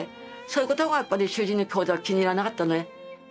そういうことがやっぱり主人のきょうだいは気に入らなかったね。